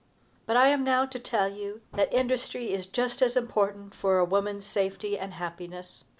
But I am now to tell you that industry is just as important for a woman's safety and happiness.